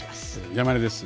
山根です